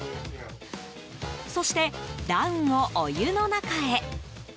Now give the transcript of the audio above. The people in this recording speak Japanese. そして、ダウンをお湯の中へ。